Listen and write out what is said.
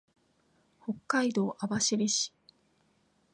北海道網走市